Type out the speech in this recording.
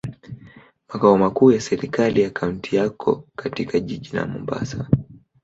Makao makuu ya serikali ya kaunti yako katika jiji la Mombasa.